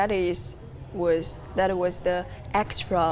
itu adalah bagian ekstra